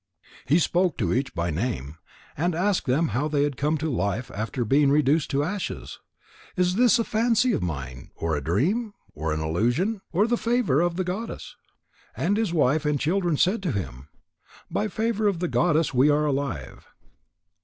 He spoke to each by name, and asked them how they had come to life after being reduced to ashes. "Is this a fancy of mine? Or a dream? Or an illusion? Or the favour of the goddess?" And his wife and children said to him: "By the favour of the goddess we are alive."